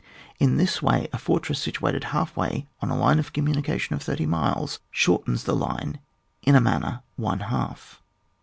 In this way a fortress situated half way 01^ a line of communication of 30 miles shortens the line in a manner one half.